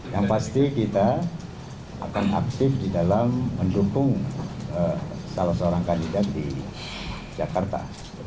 yang pasti kita akan aktif di dalam mendukung salah seorang kandidat di jakarta